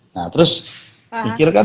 nah terus pikir kan